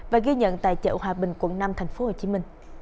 và ghi nhận tại chợ hòa bình quận năm tp hcm